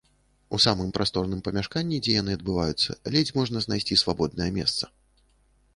У самым прасторным памяшканні, дзе яны адбываюцца, ледзь можна знайсці свабоднае месца.